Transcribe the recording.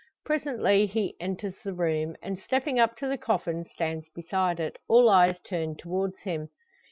Presently he enters the room, and stepping up to the coffin stands beside it, all eyes turned towards him.